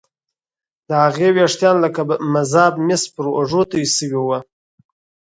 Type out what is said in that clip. د هغې ويښتان لکه مذاب مس پر اوږو توې شوي وو